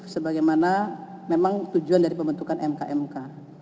sebagaimana memang tujuan dari pembentukan mk mk